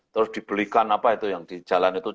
terus dibelikan apa itu yang di jalan itu